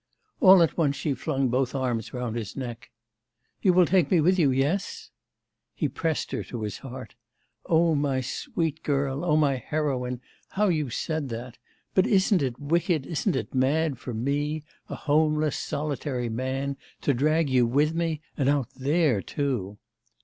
All at once she flung both arms round his neck, 'You will take me with you, yes?' He pressed her to his heart. 'O my sweet girl, O my heroine, how you said that! But isn't it wicked, isn't it mad for me, a homeless, solitary man, to drag you with me... and out there too!